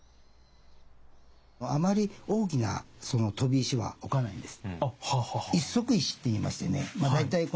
あまり大きな飛び石は置かないんです。